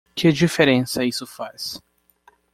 Que diferença isso faz?